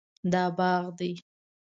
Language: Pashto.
دا باغ دی